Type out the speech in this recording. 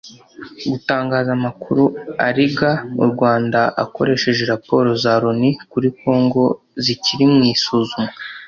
Gutangaza amakuru arega u Rwanda akoresheje Raporo za Loni kuri Congo zikiri mu isuzumwa